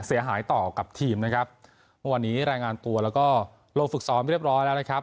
เสียหายต่อกับทีมนะครับเมื่อวานนี้รายงานตัวแล้วก็ลงฝึกซ้อมเรียบร้อยแล้วนะครับ